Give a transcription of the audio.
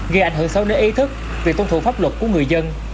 gây ảnh hưởng sâu đến ý thức việc tôn thủ pháp luật của người dân